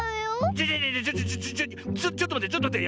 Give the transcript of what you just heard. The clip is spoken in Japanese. ちょちょちょっとまってちょっとまって。